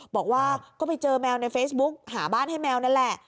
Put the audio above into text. บอกว่าก็ไปเจอแมวในเฟซบุ๊กหาบ้านให้แมวนั่นแหละ